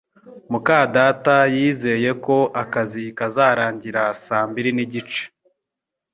muka data yizeye ko akazi kazarangira saa mbiri n'igice